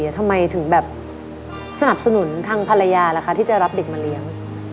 ทำไมถึงแบบสนับสนุนทางภรรยาล่ะคะที่จะรับเด็กมาเลี้ยง